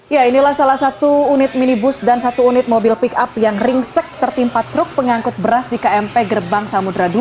ya inilah salah satu unit minibus dan satu unit mobil pick up yang ringsek tertimpa truk pengangkut beras di kmp gerbang samudera ii